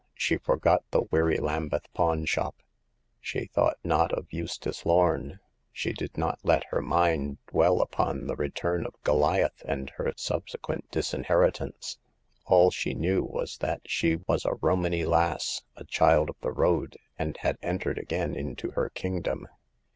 She forgot the weary Lambeth pawn shop ; she thought not of Eustace Lorn ; she did not let her mind dwell upon the return of Goliath and her subse quent disinheritance ; all she knew was that she was a Romany lass, a child of the road, and had entered again into her kingdom.